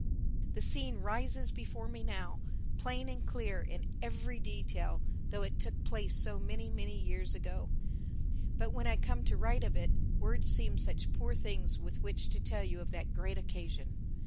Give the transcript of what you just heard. The scene rises before me now, plain and clear in every detail, though it took place so many, many years ago. But when I come to write of it, words seem such poor things with which to tell you of that great occasion.